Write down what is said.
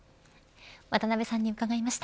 渡辺さんに伺いました。